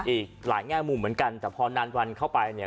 อีกหลายแง่มุมเหมือนกันแต่พอนานวันเข้าไปเนี่ย